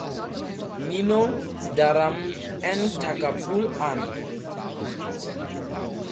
Nino, Daram, and Tagapul-an.